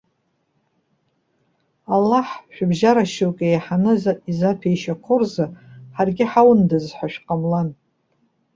Аллаҳ шәыбжьара шьоукы еиҳаны изаҭәеишьақәо рзы ҳаргьы иҳауындаз ҳәа шәҟамлан.